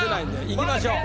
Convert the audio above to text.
いきましょう。